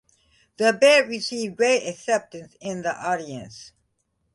The bet received great acceptance in the audience.